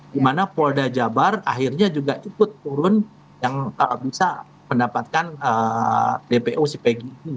di mana polda jabar akhirnya juga ikut turun yang bisa mendapatkan dpo si pegi